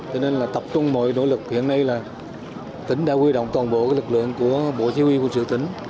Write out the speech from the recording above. cho nên là tập trung mọi nỗ lực hiện nay là tính đã quy động toàn bộ lực lượng của bộ chí huy quân sự tính